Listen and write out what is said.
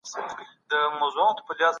توري د مایکرو فلم ریډر په مرسته لیدل کیږي.